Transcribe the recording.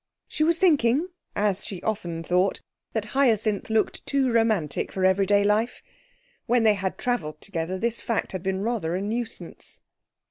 She was thinking, as she often thought, that Hyacinth looked too romantic for everyday life. When they had travelled together this fact had been rather a nuisance.